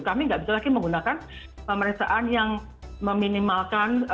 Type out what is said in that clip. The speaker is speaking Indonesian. kami nggak bisa lagi menggunakan pemeriksaan yang meminimalkan